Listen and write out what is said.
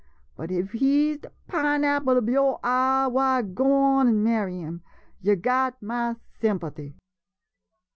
But if he's de pineapple ob yo' eye, why, go on an' marry him — yo' got ma sympathy.